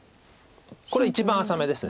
これ一番浅めです